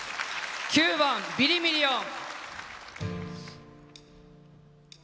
９番「ビリミリオン」。